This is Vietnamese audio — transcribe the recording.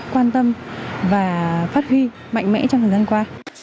quan tâm và phát huy mạnh mẽ trong thời gian qua